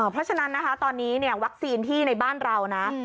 เพราะฉะนั้นนะคะตอนนี้เนี่ยวัคซีนที่ในบ้านเรานะ